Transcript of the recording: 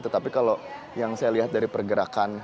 tetapi kalau yang saya lihat dari pergerakan